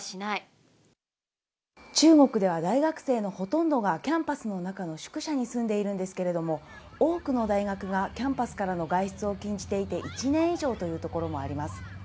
中国では、大学生のほとんどがキャンパスの中の宿舎に住んでいるんですけれども、多くの大学がキャンパスからの外出を禁じていて１年以上というところもあります。